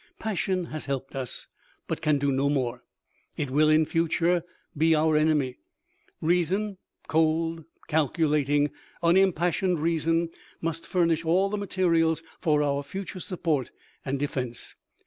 Passion has helped us, but can do so no more. It will in future be our enemy. Reason — cold, calculating, unim passioned reason — must furnish all the materials for our future support and defense.